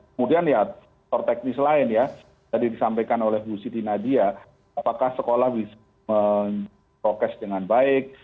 kemudian ya faktor teknis lain ya tadi disampaikan oleh bu siti nadia apakah sekolah bisa memprokes dengan baik